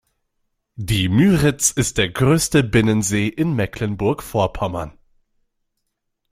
Die Müritz ist der größte Binnensee in Mecklenburg Vorpommern.